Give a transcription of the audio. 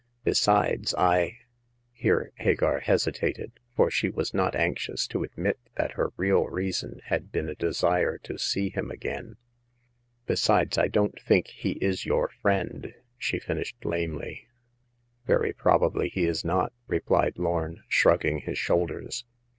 Be sides, I "—here Hagar hesitated, for she was not anxious to admit that her real reason had been a desire to see him again —besides, I don't think he is your friend," she finished, lamely. The First Customer. 43 Very probably he is not," repUed Lorn, shrugging his shoulders.